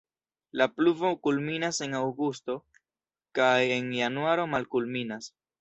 La pluvo kulminas en aŭgusto kaj en januaro malkulminas.